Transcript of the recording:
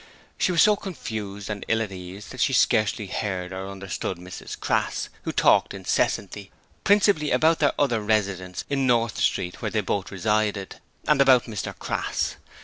She was so confused and ill at ease that she scarcely heard or understood Mrs Crass, who talked incessantly, principally about their other residents in North Street where they both resided; and about Mr Crass.